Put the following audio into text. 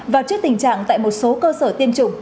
và trước tình trạng tại một số cơ sở tiêm chủng